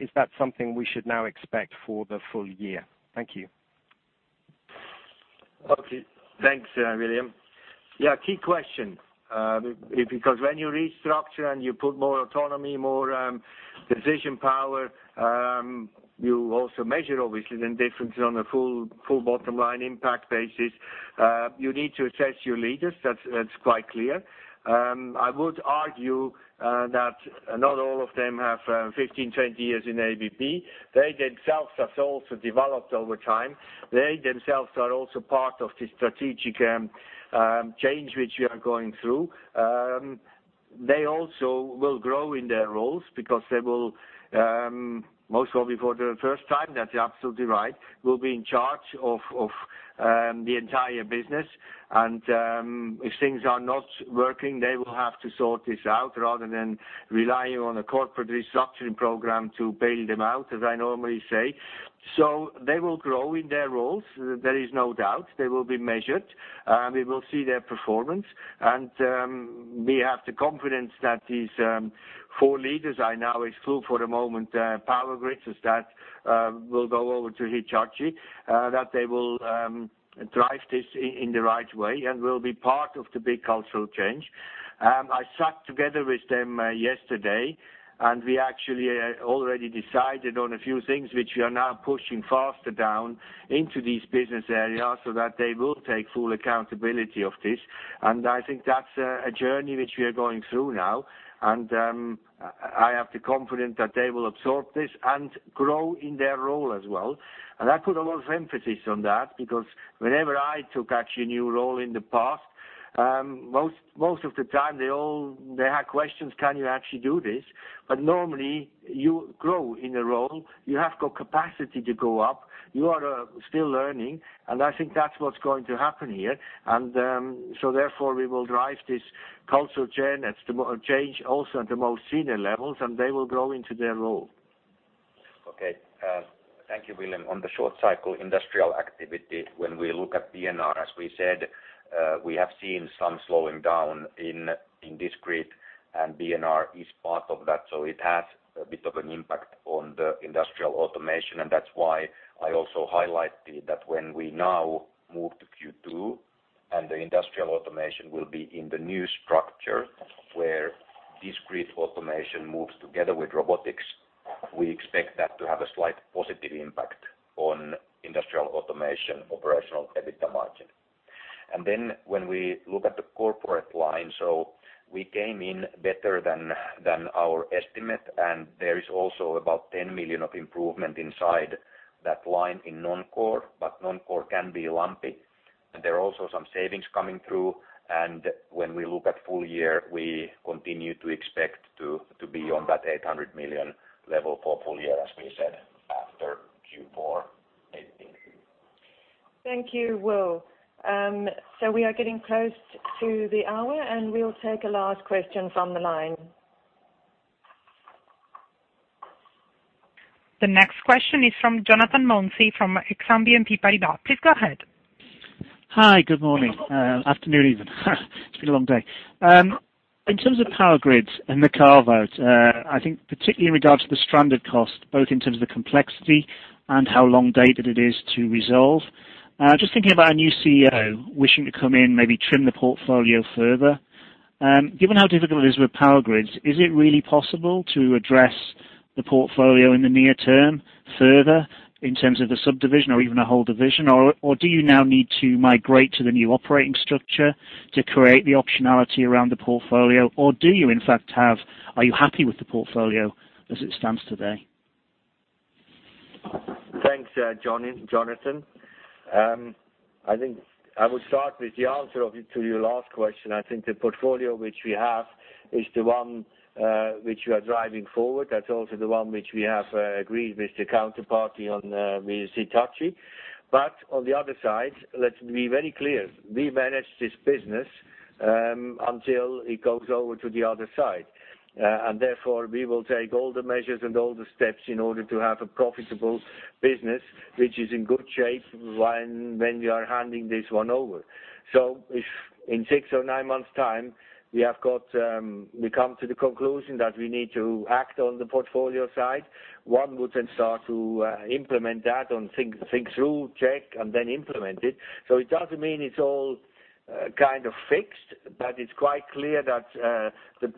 Is that something we should now expect for the full year? Thank you. Okay. Thanks, William. Yeah, key question. Because when you restructure and you put more autonomy, more decision power, you also measure obviously then differences on a full bottom line impact basis. You need to assess your leaders, that's quite clear. I would argue that not all of them have 15, 20 years in ABB. They themselves have also developed over time. They themselves are also part of the strategic change which we are going through. They also will grow in their roles because they will, most probably for the first time, that's absolutely right, will be in charge of the entire business. If things are not working, they will have to sort this out rather than relying on a corporate restructuring program to bail them out, as I normally say. They will grow in their roles, there is no doubt. They will be measured. We will see their performance. We have the confidence that these four leaders are now, it's full for the moment, Power Grids that will go over to Hitachi, that they will drive this in the right way and will be part of the big cultural change. I sat together with them yesterday, we actually already decided on a few things which we are now pushing faster down into these business areas so that they will take full accountability of this. I think that's a journey which we are going through now, I have the confidence that they will absorb this and grow in their role as well. I put a lot of emphasis on that because whenever I took actually a new role in the past, most of the time they had questions, can you actually do this? Normally you grow in a role. You have got capacity to go up. You are still learning, and I think that's what's going to happen here. Therefore we will drive this cultural change also at the most senior levels, and they will grow into their role. Okay. Thank you, William. On the short cycle industrial activity, when we look at B&R, as we said, we have seen some slowing down in discrete, and B&R is part of that, so it has a bit of an impact on the Industrial Automation. That's why I also highlighted that when we now move to Q2 and the Industrial Automation will be in the new structure where discrete automation moves together with robotics, we expect that to have a slight positive impact on Industrial Automation Operational EBITA margin. When we look at the corporate line, we came in better than our estimate, and there is also about $10 million of improvement inside that line in non-core, but non-core can be lumpy. There are also some savings coming through. When we look at full year, we continue to expect to be on that $800 million level for full year as we said after Q4 2018. Thank you, Will. We are getting close to the hour, we will take a last question from the line. The next question is from Jonathan Mounsey from Exane BNP Paribas. Please go ahead. Hi. Good morning, afternoon even. It's been a long day. In terms of Power Grids and the carve-out, I think particularly in regards to the stranded cost, both in terms of the complexity and how long dated it is to resolve, just thinking about a new CEO wishing to come in, maybe trim the portfolio further. Given how difficult it is with Power Grids, is it really possible to address the portfolio in the near term further in terms of the subdivision or even a whole division, or do you now need to migrate to the new operating structure to create the optionality around the portfolio, or do you in fact have? Are you happy with the portfolio as it stands today? Thanks, Jonathan. I think I would start with the answer to your last question. I think the portfolio which we have is the one which we are driving forward. That's also the one which we have agreed with the counterparty on with Hitachi. On the other side, let's be very clear. We manage this business until it goes over to the other side. Therefore, we will take all the measures and all the steps in order to have a profitable business, which is in good shape when we are handing this one over. If in six or nine months time, we come to the conclusion that we need to act on the portfolio side, one would then start to implement that and think through, check, and then implement it. It doesn't mean it's all kind of fixed, but it's quite clear that the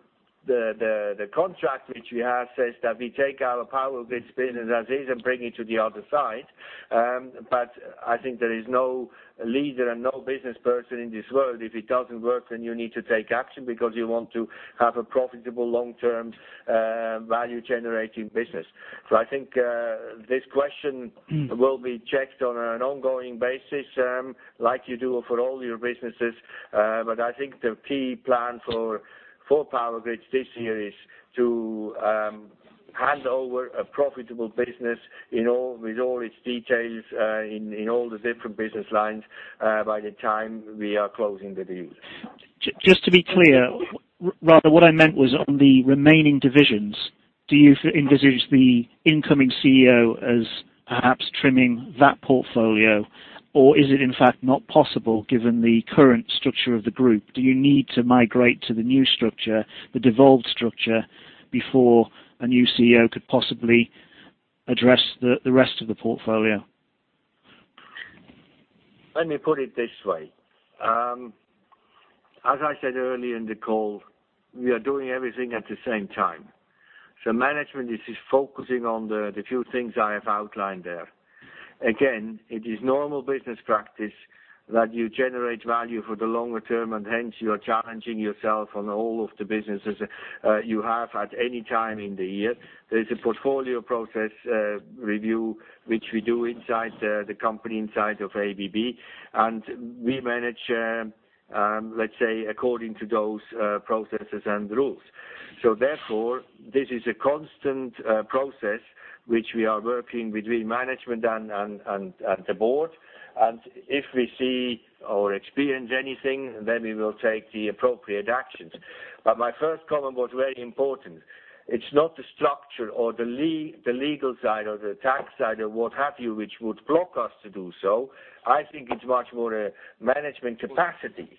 contract which we have says that we take our Power Grids business as is and bring it to the other side. I think there is no leader and no business person in this world, if it doesn't work, then you need to take action because you want to have a profitable long-term, value-generating business. I think this question will be checked on an ongoing basis, like you do for all your businesses. I think the key plan for Power Grids this year is to hand over a profitable business with all its details in all the different business lines by the time we are closing the deals. Just to be clear, rather, what I meant was on the remaining divisions, do you envisage the incoming CEO as perhaps trimming that portfolio, or is it in fact not possible given the current structure of the group? Do you need to migrate to the new structure, the devolved structure, before a new CEO could possibly address the rest of the portfolio? Let me put it this way. As I said earlier in the call, we are doing everything at the same time. Management is focusing on the few things I have outlined there. Again, it is normal business practice that you generate value for the longer term, and hence you are challenging yourself on all of the businesses you have at any time in the year. There's a portfolio process review, which we do inside the company, inside of ABB, and we manage, let's say, according to those processes and rules. Therefore, this is a constant process which we are working between management and the board, and if we see or experience anything, then we will take the appropriate actions. My first comment was very important. It's not the structure or the legal side or the tax side or what have you, which would block us to do so. I think it's much more a management capacity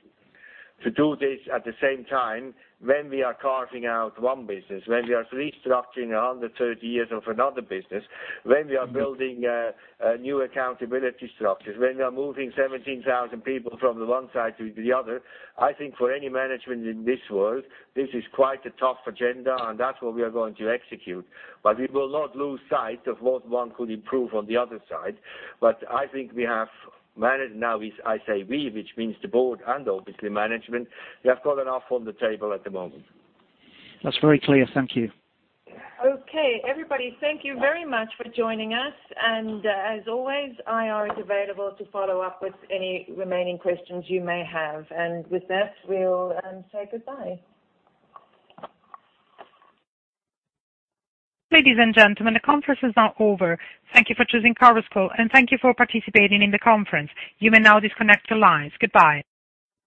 to do this at the same time when we are carving out one business, when we are restructuring 130 years of another business, when we are building new accountability structures, when we are moving 17,000 people from the one side to the other. I think for any management in this world, this is quite a tough agenda, and that's what we are going to execute. We will not lose sight of what one could improve on the other side. I think we have managed now, I say we, which means the board and obviously management, we have got enough on the table at the moment. That's very clear. Thank you. Okay, everybody. Thank you very much for joining us. As always, IR is available to follow up with any remaining questions you may have. With that, we'll say goodbye. Ladies and gentlemen, the conference is now over. Thank you for choosing Chorus Call, and thank you for participating in the conference. You may now disconnect your lines. Goodbye.